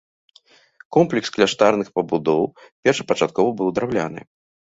Комплекс кляштарных пабудоў першапачаткова быў драўляны.